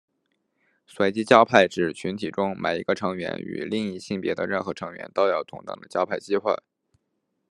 随机交配指群体中每一个成员与另一性别的任何成员都有同等的交配机会。